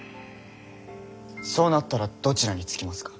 そうなったらどちらにつきますか？